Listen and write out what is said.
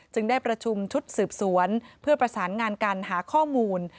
ได้ประชุมชุดสืบสวนเพื่อประสานงานการหาข้อมูล